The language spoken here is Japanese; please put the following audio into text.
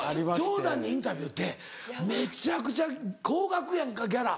ジョーダンにインタビューってめちゃくちゃ高額やんかギャラ。